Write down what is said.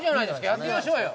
やってみましょうよ！